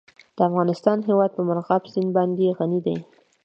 د افغانستان هیواد په مورغاب سیند باندې غني دی.